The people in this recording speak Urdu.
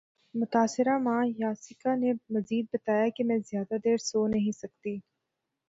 متاثرہ ماں یاسیکا نے مزید بتایا کہ میں زیادہ دیر سو نہیں سکتی